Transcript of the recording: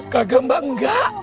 gagah mbak enggak